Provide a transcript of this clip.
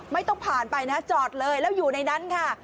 ไม่ต้องผ่านไปนะจอดเลยแล้วอยู่ในนั้นค่ะ